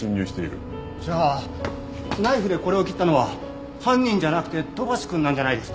じゃあナイフでこれを切ったのは犯人じゃなくて土橋くんなんじゃないですか？